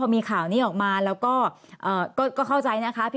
มีอยู่บ้างครับ